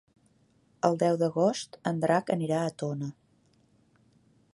El deu d'agost en Drac anirà a Tona.